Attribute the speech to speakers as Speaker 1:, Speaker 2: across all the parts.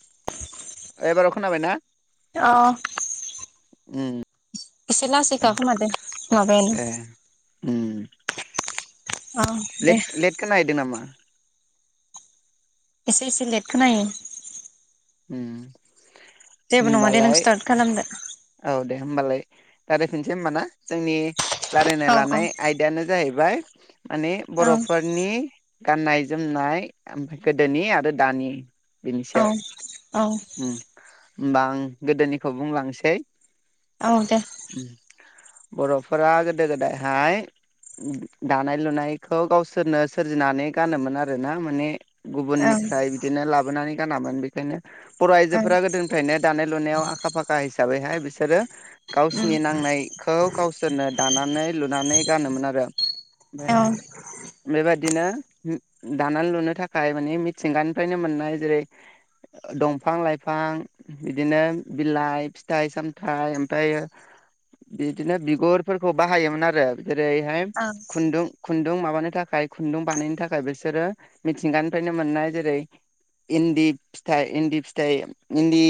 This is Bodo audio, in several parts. Speaker 1: [inaudible]
Speaker 2: एबाराव खोनाबाय ना?
Speaker 1: अ
Speaker 2: उम
Speaker 1: इसे लासैखा खोमादे माबायानो
Speaker 2: ए
Speaker 1: अ दे
Speaker 2: लेट-लेटखोना हैदों नामा?
Speaker 1: एसे एसे लेट खोनायो।
Speaker 2: उम
Speaker 1: जेबो नङा दे नों
Speaker 2: होमबालाय
Speaker 1: स्टार्ट खालामदो।
Speaker 2: रायज्लाय फिनसै होमबा ना जोंनि रायलायनो
Speaker 1: औ औ
Speaker 2: लानाय आयदायानो जाहैबाय माने
Speaker 1: औ
Speaker 2: बर'फोरनि गाननाय जोमनाय ओमफ्राय गोदोनि आरो दानि बेनि सायाव
Speaker 1: औ औ
Speaker 2: उम होमबा आं गोदोनिखौ बुंलांसै
Speaker 1: औ दे
Speaker 2: उम बर'फोरा गोदो गोदायहाय दानाय लुनायखौ गावसोरनो सोरजिनानै गानोमोन आरोना माने
Speaker 1: ओं
Speaker 2: गुबुननिफ्राय बिदिनो लाबोनानै गानामोन बेनो बर'
Speaker 1: ओं
Speaker 2: आइजोफोरा गोदोनिफ्रायनो दानाय लुनायाव आखा फाखा हैसा हिसाबैहाय बिसोरो
Speaker 1: उम
Speaker 2: गावसोरनि नांनायखौ गावसोरनो दानानै लुनानै गानोमोन आरो ओमफ्राय
Speaker 1: औ
Speaker 2: बेबायादि बिदिनो दानानै लुनो थाखाय मानि मिथिंगानिफ्रायनो मोननाय जेरै दंफां-लाइफां बिदिनो बिलाइ फिथाइ-सामथाइ ओमफ्रायायो बिदिनो बिगुरफोरखौ बाहायोमोन आरो जेरैहाय
Speaker 1: औ
Speaker 2: खुन्दुं खुं न्दुं माबानि थाखाय खुन्दुं बानायनो थाखाय बिसोरो मिथिंगानिफ्रायनो मोननाय जेरै इन्दि फिथाइ इन्दि फिथाइ इदि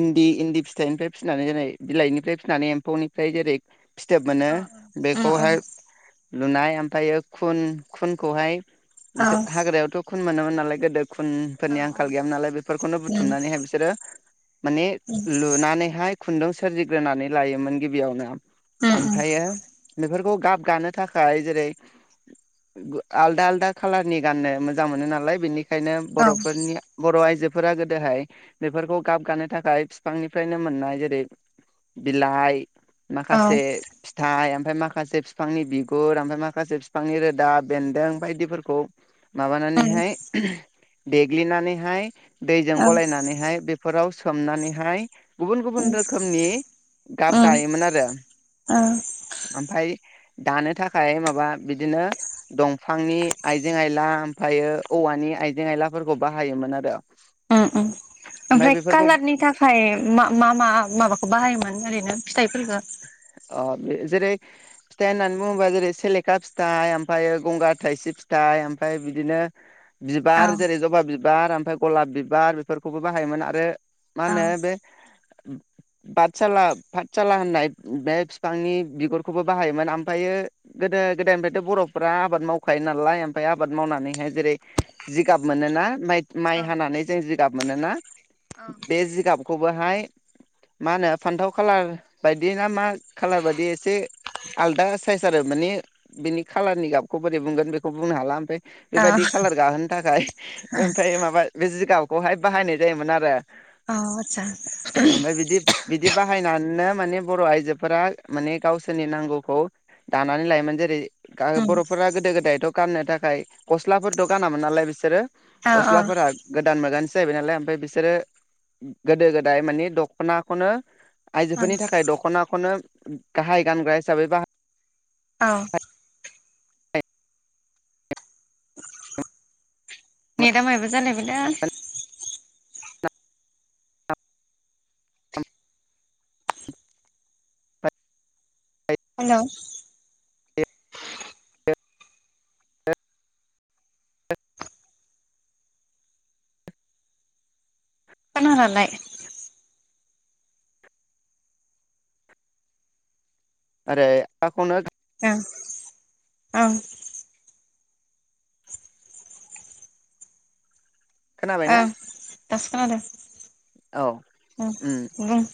Speaker 2: इन्दि इन्दि फिथाइनिफ्राय फिसिनानै जेरै बिलाइनिफ्राय फिसिनानै एम्फौनिफ्राय जेरै फिथोब मोनो
Speaker 1: उम उम
Speaker 2: बेखौहाय लुनाय ओमफ्रायो खुन खुनखौहाय
Speaker 1: औ उम औ उम औ उम
Speaker 2: बिसोर हाग्रायावथ' खुन मोनोमन लाय गोदो खुनफोरनि आंखाल गैयाम नालाय बे खौनो बुथुमनानैहाय बिसोरो माने लुनानैहाय खुन्दुं सोरजिग्रोनानै लायोमोन गिबियावनो ओमफ्रायो बेफोरखौ गाब। गानो थाखाय जेरै आलदा आलदा खाालारनि गाननो मोजां मोनो नालाय बेनि। बेखायनो बर'फोरनि बर' आइजो। फोरा गोदोहाय बेफोरखौ गाब गानो थाखाय बिफांनिफ्रायनो मोननाय जेरै बिलाइ। माखासे फिथाइ ओमफ्राय माखा माखासे बिफांनि बिगुर ओमफ्राय माखासे बिफांनि रोदा बेन्दों बायदिफोरखौ। माबानानैहाय देग्लिनानै हाय दैजों गलायनानैहाय बेफोराव खोमनानैहाय। गुबुन गुबुन
Speaker 1: उम
Speaker 2: रोखोमनि गाब
Speaker 1: ओ
Speaker 2: गायोमोन आरो ओमफ्राय दानो थाखाय माबा बिदिनो दंफांनि आइजें आयला ओमफ्रायो औवानि आइजें आयलाफोरखौ बाहायोमोन आरो।
Speaker 1: उम उम
Speaker 2: ओमफाय
Speaker 1: ओमफ्राय
Speaker 2: बेफोरखौ
Speaker 1: कालारनि थाखाय मा मा मा माबाखौ बाहायोमोन ओरैनो। फिथाइफोरखौ
Speaker 2: अ जेरै फिथाइ होननानै बुङोबा जेरै सेलेखा फिथाइ ओमफ्रायो गंगार थायसेब फिथाइ ओमफ्राय बिदिनो
Speaker 1: औ
Speaker 2: बिबार जेरै जबा बि बार ओमफ्राय गलाब बिबार बेफोरखौबो बाहायोमोन आरो
Speaker 1: औ
Speaker 2: माने बे बादसाला साला होननाय बे फिफांनि बिगुरखौबो बाहायोमोन ओमफ्रायो गोदो गोदायनिफ्रायथ' बर'फ्रा आबाद मावखायो नालाय ओमफ्राय आबाद मावनानैहाय जेरै जिगाब मोनोना माइ माइ
Speaker 1: औ
Speaker 2: हानानै जों जिगाब मोनोना बे जिगाबखौबोहाय मा होनो फान्थाव खालार बायदि ना मा खालार बायदि एसे आलदा साइस आरो माने बिनि खाालारनि गाबखौ बोरै बुंगोन बेखौ बुंनो हाला ओमफ्राय
Speaker 1: औ
Speaker 2: बेबायदि खालार गाहोनो थाखाय ओमफ्राय माबा बे जिगाब खौहाय बाहायनाय जायोमोन आरो
Speaker 1: औ आटसा।
Speaker 2: नो। माने बर' आइजोफोरा माने गावसोरनि नांगौखौ दानानै लायोमोन जेरै
Speaker 1: उम
Speaker 2: बर'फोरा गोदो गोदायथ' गाननो थाखाय गस्लाफोरथ' गानामोन नालाय बिसोरो
Speaker 1: औ
Speaker 2: गस्लाफोरा गोदान मोगानि जायैबाय नालाय ओमफ्राय बिसोरो गोदो गोदाय मानि दख'नाखौनो
Speaker 1: औ।
Speaker 2: दख'ना खौनो गाहाय गानग्रा हिसाबै बाहायो।
Speaker 1: औ। नेदा मायबा जालायबायदां
Speaker 2: बाहाय
Speaker 1: हेल'। लाय
Speaker 2: आरो [unintelligible]
Speaker 1: उम उम।
Speaker 2: खोनाबायना
Speaker 1: ओम दासो खोनादों।
Speaker 2: औ
Speaker 1: उम बुं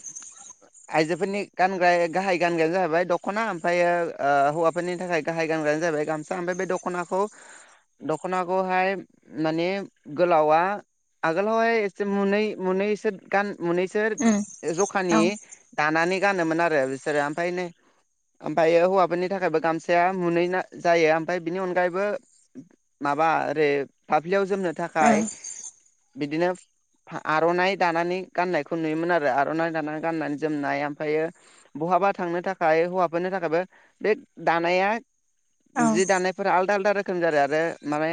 Speaker 2: आइजोफोरनि गानग्रा गाहाय गानग्रायानो जाहैबाय दख'ना ओमफ्रायो ओ हौवाफोरनि थाखाय गाहाय गानग्रायानो जाहैबाय गामसा ओमफ्राय बे दख'नाखौ दख'नाखौहाय माने गोलावा आगोलावहाय एसे मुनै मुनैसो गान मुनैसो
Speaker 1: उम औ
Speaker 2: जखानि दानानै गानोमोन आरो बिसोरो ओमफ्राय ओमफ्रायै हौवाफोरनि थाखायबो गामसाया मुनै जायो ओमफ्राय बिनि अनगायैबो माबा ओरै फाफ्लियाव जोमनो थाखाय
Speaker 1: ओं
Speaker 2: बिदिनो फा आर'नाइ दानानै गाननायखौ नुयोमोन। आरो आर'नाइ दानानै गाननानै जोमनाय ओमफ्रायो बहाबा थांनो थाखाय हौवाफोरनि थाखायबो बे दानाया
Speaker 1: औ
Speaker 2: जि दानायफोरा आलदा आलदा रोखोम जादों आरो माने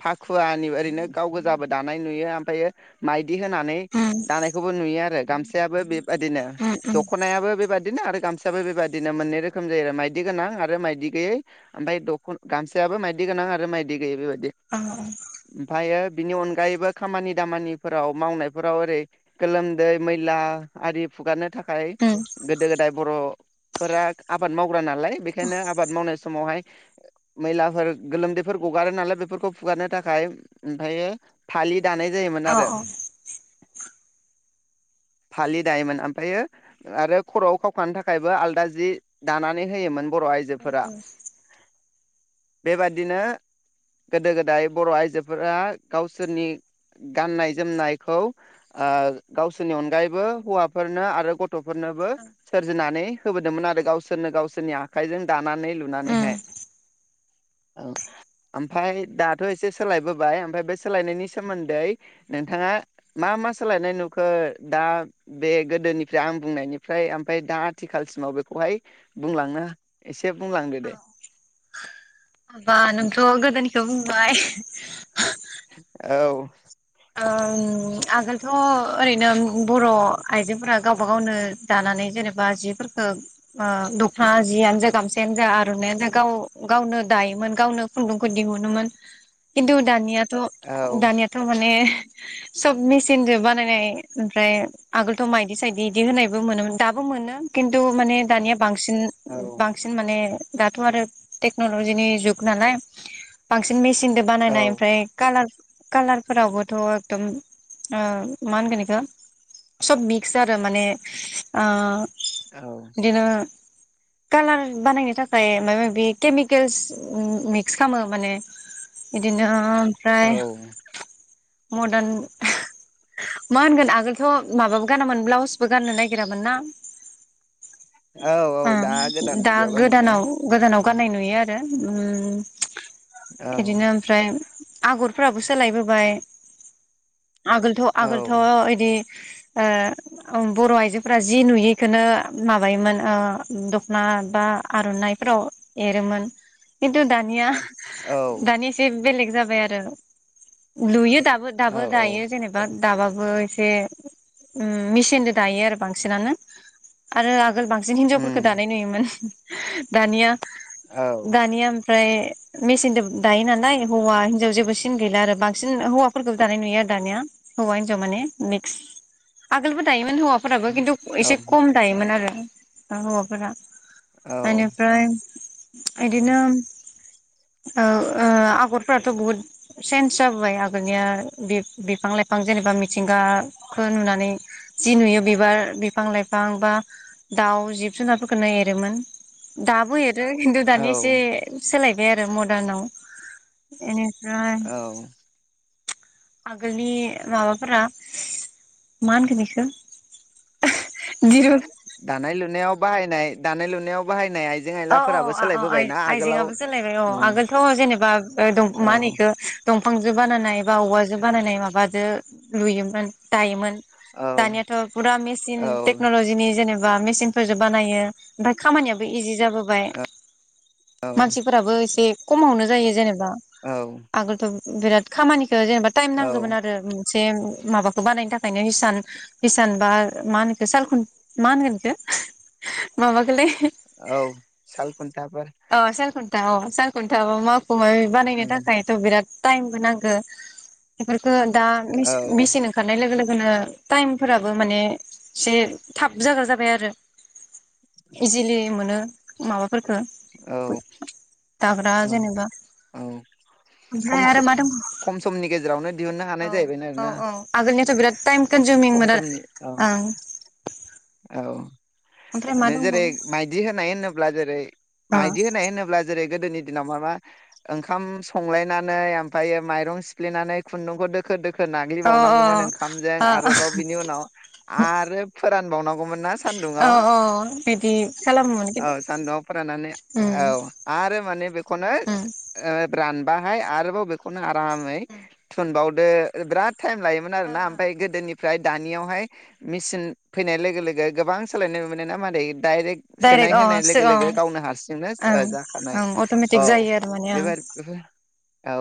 Speaker 2: फाखुवानि ओरैनो गाव गोजाबो दानाय नुयो ओमफ्रायो माइ दि होनानै
Speaker 1: उम
Speaker 2: दानायखौबो नुयो आरो। गामसायाबो बे बायदिनो
Speaker 1: उम उम
Speaker 2: दख'नायाबो बेबायादिनो आरो गामसा याबो बेबायादिनो मोननै रोखोम जायो आरो माइदि गोनां आरो मायदि गैयै ओमफाय दख' गामसायाबो मायदि गोनां आरो मायदि गैयै बेबायदि।
Speaker 1: औ
Speaker 2: ओमफायो बिनि अनगायैबो खामानि दामानि फोराव मावनायफोराव ओरै गोलोमदै मैला आरि हुगारनो था खाय
Speaker 1: उम
Speaker 2: गोदो गोदाय बर'फोरा आबाद माव ग्रानालाय बेखायनो आबाद मावनाय समावहाय मैलाफोर गोलोमदैफोर गगारो नालाय बेफोरखौ हुगारनो थाखाय ओमफ्रायो फालि दानाय जायोमोन
Speaker 1: औ
Speaker 2: आरो।
Speaker 1: औ।
Speaker 2: फालि दायोमोन ओमफ्रायो आरो खर'आव खावखानो थाखायबो आलादा जि दानानै होयोमोन। बर' आइजोफोरा।
Speaker 1: उम ओं
Speaker 2: बेबादिनो गोदो गोदाय बर' आइजोफोरा गावसोरनि गाननाय जोमनायखौ ओ गावसोर नि अनगायैबो हौवाफोरनो आरो गथ' फोरनोबो सोरजिनानै होबोदोंमोन आरो गावसोरनो गावसोरनि आखाइजों दानानै
Speaker 1: उम
Speaker 2: लुनानैहाय। औ ओमफ्राय दाथ' एसे सोलायबोबाय ओमफ्राय बे सोलायनायनि सोमोन्दै नोंथाङा मा मा सोलायनाय नुखो दा बे गोदोनिफ्राय आं बुंनायनिफ्राय ओमफ्राय दा आथिखालसिमाव बेखौहाय बुंलांनो एसे बुंलांदो दे
Speaker 1: औ ओमबा नोंथ' गोदोनि खौ बुंबाय।
Speaker 2: औ। [inaudible]
Speaker 1: ओं आगोलथ'ओरैनो बर' आइजोफोरा गावबा गावनो दानानै जेनेबा जिफोरखौ ओ दखना जियानो जा गामसायानो जा आरनाय आनो जा गाव गावनो दायोमोन गावनो खुन्दुंखौ दिहुनोमोन खिन्थु दानिया थ
Speaker 2: औ
Speaker 1: दानियाथ' माने सब मेसिनजों बानायनाय ओमफ्राय आगोलथ मायदि सायदि इदि होनायबो मोनोमोन दाबो मोनो खिन्थु माने दानिया बांसिन
Speaker 2: औ
Speaker 1: बांसिन माने दाथ आरो टेक्नलजिनि जुग नालाय बांसिन मेसि सिनदो
Speaker 2: औ
Speaker 1: बानायनाय ओमफ्राय कालार कालार फोरावबोथ एकदम ओ मा होनगोन बेखौ सब मिक्स आरो माने ओ
Speaker 2: औ
Speaker 1: दिनो कालार बानायनो थाखाय मायबा माबि केमिकेल्स मिक्स खालामो माने इदिनो ओमफ्राय
Speaker 2: औ
Speaker 1: मदार्न मा होनगोन आगोलथ माबाबो गानामोन ब्लाउसबो गाननो नागिरामोन ना?
Speaker 2: औ औ दा गोदान
Speaker 1: उम्म दा
Speaker 2: मुगायाव गानबायना
Speaker 1: गोदानाव गोदानाव गाननाय नुयो आरो। उम्म
Speaker 2: औ
Speaker 1: एदिनो ओमफ्राय आगरफ्राबो सो बोबाय आगोलथ
Speaker 2: औ
Speaker 1: आगोलथ इदि ओह बर' आइजोफोरा जि नुयो इखोनो माबायोमोन ओ दखना बा आरनाइफोराव एरोमोन। खिन्थु दानिया
Speaker 2: औ
Speaker 1: दानिसे बेलेग जाबाय आरो लुयोथ दाबो
Speaker 2: औ
Speaker 1: दाबो
Speaker 2: औ
Speaker 1: दायो जेनेबा दाबाबो एस बे उम्म मेचिनजों दायो आरो बांसिनानो आरो आग आगोल बांसिन हिनजावफोरखो
Speaker 2: उम
Speaker 1: दानाय नुयोमोन। दानिया
Speaker 2: औ
Speaker 1: दानिया ओमफ्राय मेसिनजों दायो नालाय हौवा हिनजाव जेबो सि [unintelligible] गैला आरो बांसिन हौवाफोरखौबो दानाय नुयो आरो दानिया हौवा हिनजाव माने मिक्स आगोलबो दायोमोन हौवाफ फोराबो खिन्थु
Speaker 2: औ
Speaker 1: एसे खम दायोमोन आरो। ओ हौवाफोरा
Speaker 2: औ
Speaker 1: एनिफ्राय इदिनो औ ओ आगरफोराथ बुहुद सेन्स जाबोबाय आगोलनिया बि-बिफां लाइफां जेनेबा मिथिंगाखौ नुनानै जि नुयो बिबार बिफां लाइफां बा दाउ जिब जुनारफोरखौनो एरोमोन दाबो एर खिन्थु दानिया एसे सोलाय बे आरो मदार्ननाव बेनिफ्राय
Speaker 2: औ
Speaker 1: आगोलनि माबाफोरा मा होनगोन इखौ दि
Speaker 2: दानाय लुनायाव बाहायनाय दानाय लुनायाव बाहायनाय आइ
Speaker 1: औ औ औ आ-आइजेंआ आयजेङाबो सोलायबाय औ
Speaker 2: ओं
Speaker 1: आगोलथ' जेनेबा ओ दं
Speaker 2: औ
Speaker 1: मा होनो इखो दंफांजों बानायनाय बा औवाजों बानायनाय माबाजो लुयोमोन दायोमोन।
Speaker 2: औ
Speaker 1: दानियाथ' पुरा मेचिन
Speaker 2: औ
Speaker 1: टेक्नलजिनि जेनेबा बा मेचिनफोरजों बानायो ओफाय खामनियाबो इजि जाबोबाय
Speaker 2: औ
Speaker 1: मानसिफोराबो एसे खमावनो जायो जेनेब दा
Speaker 2: औ
Speaker 1: आगोलथ' बिराद खामानि जेनेबा टाइम
Speaker 2: औ
Speaker 1: नांगोमोन आरो। से माबाखो बानायनो थाखायनो हिसान हिसान बा मा होनो इखो सालखुन मा होनगोनखौ इखो माबाखोलै
Speaker 2: औ साल खुन्थाफोर।
Speaker 1: था सालखुथा औ माफ खबाय बानायनो
Speaker 2: ओं
Speaker 1: थाखायथ' बिराद टाइमबो नांगो इफोर दा
Speaker 2: औ
Speaker 1: मिस-मिसिन ओंखारनाय लोगो लोगो होनो टाइमफोराबो माने एसे थाब जाग्रा जाबाय आरो इजिलि मोनो माबाफोरफोरखौ।
Speaker 2: औ
Speaker 1: दाग्रा
Speaker 2: औ
Speaker 1: जेनेबा
Speaker 2: औ
Speaker 1: ओमफ्राय
Speaker 2: खम
Speaker 1: आरो मा
Speaker 2: खम समनि गेजेरावनो दिहुननो हानाय
Speaker 1: दंबावो औ
Speaker 2: जाहैबायना आरोना
Speaker 1: औ औ आगोलनियाथ' बिराद टाइम
Speaker 2: खम
Speaker 1: कनजमिंमोन आरो
Speaker 2: समनि औ
Speaker 1: ओं।
Speaker 2: औ।
Speaker 1: ओमफ्राय मा
Speaker 2: माने जेरै
Speaker 1: दंबावो
Speaker 2: मायदि होनाय होनोब ब्ला जेरै
Speaker 1: अ
Speaker 2: मायदि होनाय होनोब्ला जेरै गोदोनि दिनाव माबा ओंखाम संलायनानै ओमफायो माइरं सिफ्लेनानै खुन्दुंखौ दोखो दोख
Speaker 1: अ
Speaker 2: नाग्लिबावनांगौमोन ओंखामजों
Speaker 1: अ
Speaker 2: आरोबाव बिनि उनाव आरो फोरान बावनांगौमोन ना
Speaker 1: औ
Speaker 2: सान्दुंआव
Speaker 1: औ बिदि खालामोमोन खिन्थु
Speaker 2: ओं सान्दुंआव फोराननानै औ
Speaker 1: उम
Speaker 2: आरो माने बेखौनो
Speaker 1: उम
Speaker 2: ओ रान बाहाय आरोबाव बेखौनो आ गाहामै थुनबाव बे बिराद टाइम लायोमोन आरोना ओमफाय गोदोनि ओमफ्राय दानियावहाय मेचिन फैनाय लोगो लोगो गोबां सोलायनो मोनो ना मादै डाइरेक्ट सोनाय
Speaker 1: अ
Speaker 2: होनाय लोगो
Speaker 1: सो अ
Speaker 2: लोगो गावनो हारसिंनो
Speaker 1: ओं
Speaker 2: जाखानाय
Speaker 1: ओं
Speaker 2: औ
Speaker 1: अट'मेटिक जायो आरो माने ओं
Speaker 2: बेबाद औ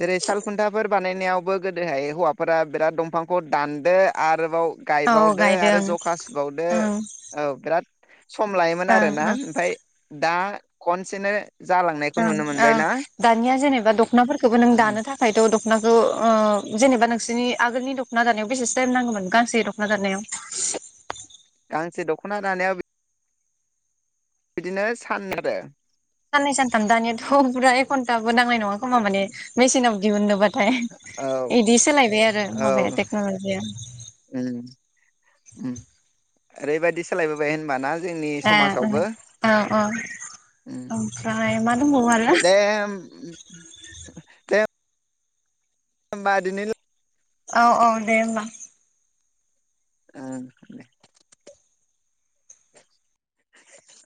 Speaker 2: जेरै सालखुन्थाफोर बानायनायावबो गोदोहाय हौवाफोरा बिराद दंफांखौ दानदो आरोबाव
Speaker 1: औ
Speaker 2: गायबावदो आरो
Speaker 1: गायदों
Speaker 2: जखासु बावदो
Speaker 1: ओं
Speaker 2: औ बिराद। [inaudible] सम लायोमोन
Speaker 1: ओं
Speaker 2: आरोना
Speaker 1: ओं
Speaker 2: ओमफफ्राय दा- खनसे नो
Speaker 1: ओ-ओं दानिया जेनेबा दख नाफोरखौबो नों दानो थाखायथ द दखनाखौ ओ जेनेबा नोंसोरनि आगोलनि दखना दानायाव बेसे टाइम नांगौमोन गांसे दखना दानायाव।
Speaker 2: गांसे दखना दानायाव बिदिनो। बिदिनो सान आरो।
Speaker 1: सानै सानथाम दानिया औ फुरा ए घन्टााबो दाङाय नङा। खङा माने मेसिनाव दिहुननो ब ओमफ्राय
Speaker 2: औ
Speaker 1: बिदि सोलायबाय आरो माबाया
Speaker 2: औ
Speaker 1: टेक्नलजिया।
Speaker 2: उम उम ओरैबायदि सोलायबोबाय होनबाना। जोंनि
Speaker 1: ए ओ
Speaker 2: समावबो
Speaker 1: औ औ ओमफ्राय मा दंबावो आरो
Speaker 2: देेम दे होनबा दिनैल
Speaker 1: औ-औ दे होमबा।
Speaker 2: [unintelligible]